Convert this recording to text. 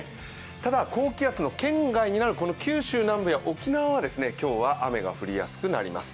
ただ高気圧の圏外になる九州南部や沖縄は今日は雨が降りやすくなります。